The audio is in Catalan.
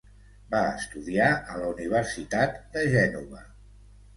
Va estudiar a la Universitat de Gènova.